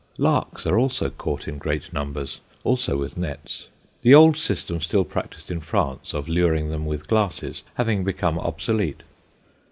Larks are also caught in great numbers, also with nets, the old system still practised in France, of luring them with glasses, having become obsolete.